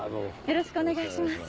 よろしくお願いします。